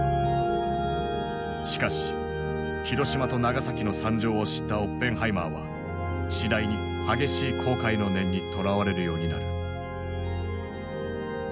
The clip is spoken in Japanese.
しかし広島と長崎の惨状を知ったオッペンハイマーは次第に激しい後悔の念にとらわれるようになる。